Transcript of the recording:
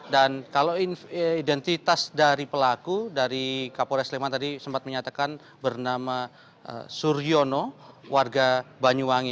dan kalau identitas dari pelaku dari kapolres sleman tadi sempat menyatakan bernama suryono warga banyuwangi